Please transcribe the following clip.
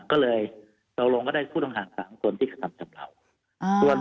ก็เลยเราลงก็ได้ผู้ต้องหา๓คนที่กระทำชำราว